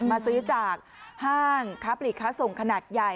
มาซื้อจากห้างค้าปลีกค้าส่งขนาดใหญ่